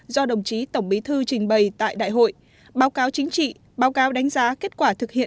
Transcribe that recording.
do đồng chí tổng bí thư trình bày tại đại hội báo cáo chính trị báo cáo đánh giá kết quả thực hiện